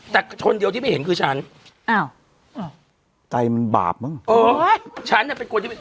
แต่คนเดียวที่ไม่เห็นคือฉันอ้าวใจมันบาปมั้งเออฉันน่ะเป็นคนที่เป็น